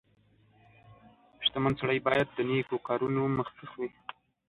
• شتمن سړی باید د نیکو کارونو مخکښ وي.